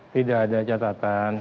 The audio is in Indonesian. tidak ada catatan